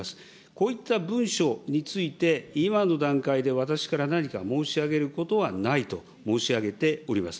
こういった文書について今の段階で私から何か申し上げることはないと申し上げております。